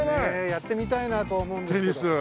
やってみたいなとは思うんですけど。